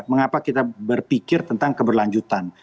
mengapa kita berpikir tentang keberlanjutan